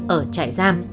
ở trại giam